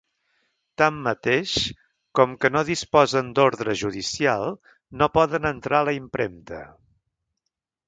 Tanmateix, com que no disposen d’ordre judicial no poden entrar a la impremta.